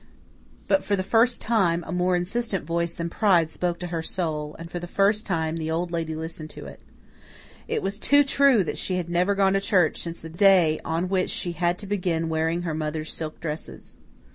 But, for the first time, a more insistent voice than pride spoke to her soul and, for the first time, the Old Lady listened to it. It was too true that she had never gone to church since the day on which she had to begin wearing her mother's silk dresses.